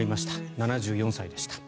７４歳でした。